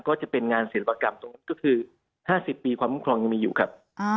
ก็จะเป็นงานศิลปกรรมตรงนั้นก็คือ๕๐ปีความคุ้มครองยังมีอยู่ครับ